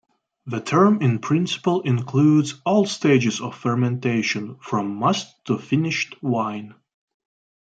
The term in principle includes all stages of fermentation from must to finished wine.